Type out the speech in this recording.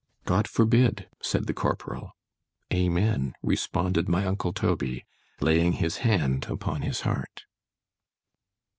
——God forbid, said the corporal. Amen, responded my uncle Toby, laying his hand upon his heart.